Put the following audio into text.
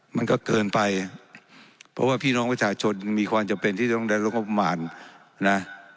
มันก็เกินไปเพราะว่าพี่น้องประชาชนมีความจำเป็นที่จะต้องได้รับงบประมาณนะ